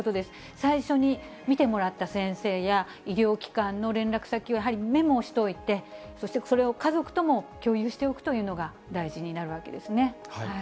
最初に診てもらった先生や、医療機関の連絡先をやはりメモをしておいて、そしてそれを家族とも共有しておくというのが大事になるわけですね。